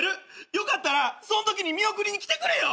よかったらそんときに見送りに来てくれよ。